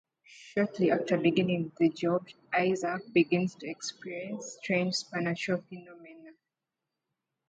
Shortly after beginning the job Isaac begins to experience strange supernatural phenomena.